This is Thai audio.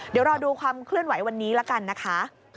เดี๋ยวรอดูความเคลื่อนไหววันนี้ละกันนะคะ